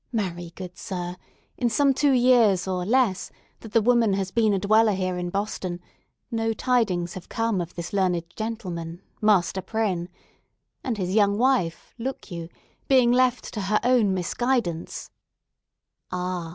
Marry, good Sir, in some two years, or less, that the woman has been a dweller here in Boston, no tidings have come of this learned gentleman, Master Prynne; and his young wife, look you, being left to her own misguidance—" "Ah!